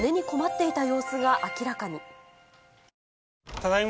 ただいま。